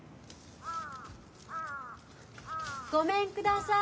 ごめんください。